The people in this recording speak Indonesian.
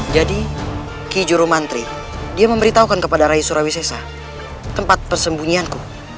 jadi ki juru mantri dia memberitahukan kepada rai surawi sesa tempat persembunyianku